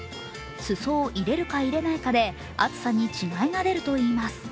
裾を入れるか入れないかで暑さに違いが出るといいます。